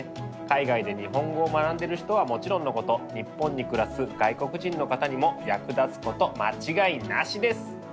海外で日本語を学んでる人はもちろんのこと日本に暮らす外国人の方にも役立つこと間違いなしです！